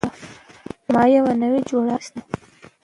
ما یوه نوې جوړه اخیستې ده